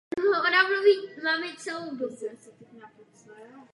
Druhý skončil Burns a třetí Sainz.